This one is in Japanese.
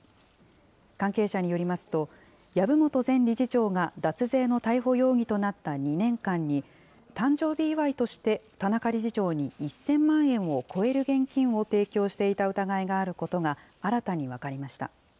関係者によりますと、籔本前理事長が脱税の逮捕容疑となった２年間に、誕生日祝いとして田中理事長に１０００万円を超える現金を提供していた疑いがあることが、新たに分かりました。